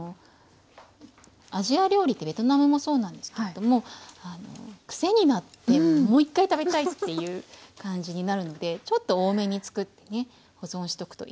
アジア料理ってベトナムもそうなんですけれども癖になってもう一回食べたいっていう感じになるのでちょっと多めに作ってね保存しとくといいですよね。